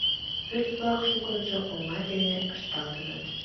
Пӧрт-влак шукынжо оҥа дене ышталтыныт.